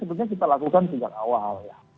oke oke kan saya pindahkan soalnya dengan kamu n een